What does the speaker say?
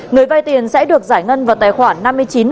người vai tiền sẽ được giải ngân vào tài khoản năm mươi chín chín